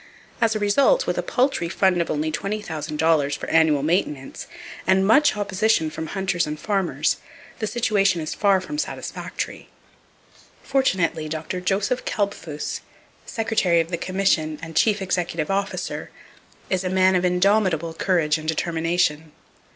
As a result, with a paltry fund of only $20,000 for annual maintenance, and much opposition from hunters and farmers, the situation is far from satisfactory. Fortunately Dr. Joseph Kalbfus, Secretary of the Commission and chief executive officer, is a man of indomitable courage and determination.